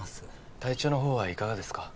体調の方はいかがですか？